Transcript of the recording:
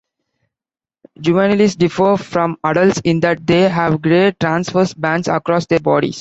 Juveniles differ from adults in that they have gray transverse bands across their bodies.